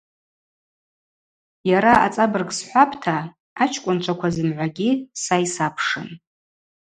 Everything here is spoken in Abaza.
Йара, ацӏабырг схӏвапӏта, ачкӏвынчваква зымгӏвагьи са йсапшын.